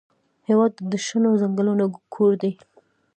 هېواد د شنو ځنګلونو کور دی.